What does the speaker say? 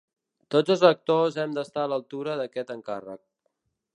Tots els actors hem d’estar a l’altura d’aquest encàrrec.